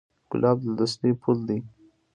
ګلاب د دوستۍ پُل دی.